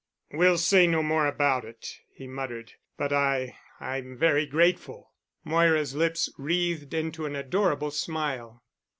"We'll say no more about it," he muttered. "But I—I'm very grateful." Moira's lips wreathed into an adorable smile.